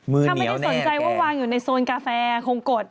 มือเหนียวแน่แกะถ้าไม่ได้สนใจว่าวางอยู่ในโซนกาแฟคงกด